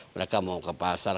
mereka mau ke pasar